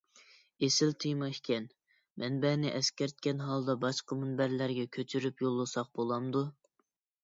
ئېسىل تېما ئىكەن. مەنبەنى ئەسكەرتكەن ھالدا باشقا مۇنبەرلەرگە كۆچۈرۈپ يوللىساق بولامدۇ؟